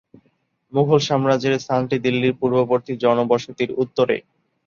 মুঘল সাম্রাজ্যের স্থানটি দিল্লির পূর্ববর্তী জনবসতির উত্তরে।